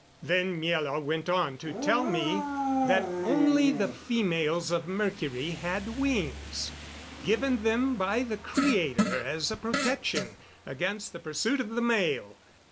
Then Miela went on to tell me that only the females of Mercury had wings given them by the Creator as a protection against the pursuit of the male.